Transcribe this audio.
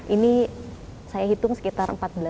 ini saya hitung sekitar empat belas